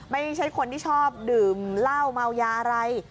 ไม่ใช่คนที่ชอบดื่มเหล้าเมายาอะไร